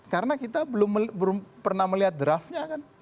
karena kita belum pernah melihat draftnya kan